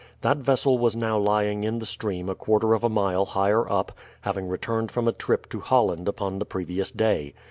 That vessel was now lying in the stream a quarter of a mile higher up, having returned from a trip to Holland upon the previous day.